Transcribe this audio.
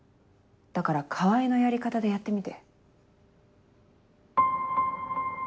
だから川合のやり方でやってみて。